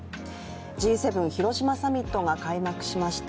Ｇ７広島サミットが開幕しました。